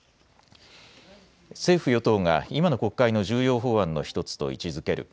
政府与党が今の国会の重要法案の１つと位置づける